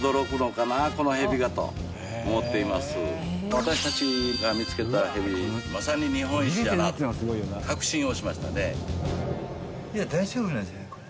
私たちが見つけたヘビまさに日本一だなと確信をしましたね。